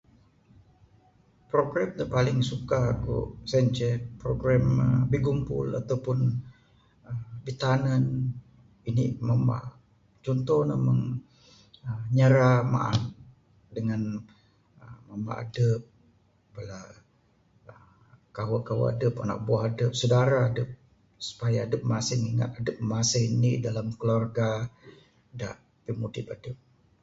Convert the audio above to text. Program da paling suka ku sien ceh program bigumpul ato pun bitanen indi mamba. Contoh ne meng nyara maan dangan uhh mamba adep, bala kawu kawu adep anak anak buah adep, sedaura adep. Supaya adep masih ingat dalam indi keluarga da pimudip adep.